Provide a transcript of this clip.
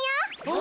お！